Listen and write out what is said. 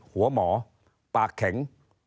หมอปากแข็ง